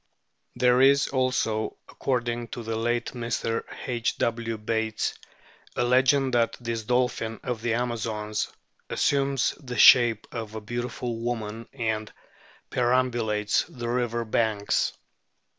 There is also, according to the late Mr. H. W. Bates, a legend that this dolphin of the Amazons assumes the shape of a beautiful woman and peram bulates the river banks.